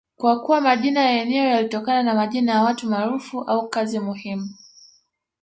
kwa kuwa majina ya eneo yalitokana na majina ya watu maarufu au kazi muhimu